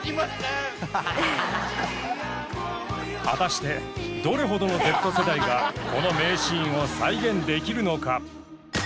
果たしてどれほどのＺ世代がこの名シーンを再現できるのか？